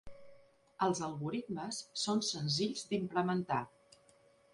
Els algoritmes són senzills d'implementar.